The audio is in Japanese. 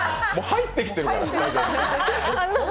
入ってきてるから。